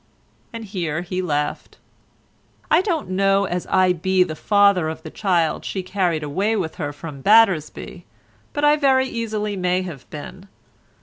And here he laughed. "I don't know as I be the father of the child she carried away with her from Battersby, but I very easily may have been.